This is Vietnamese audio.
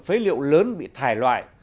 phế liệu lớn bị thải loại